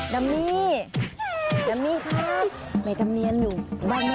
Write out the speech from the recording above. บ้านแม่จำเนียนอยู่ตรงนั้น